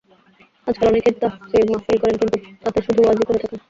আজকাল অনেকেই তাফসির মাহফিল করেন, কিন্তু তাতে শুধু ওয়াজই করে থাকেন।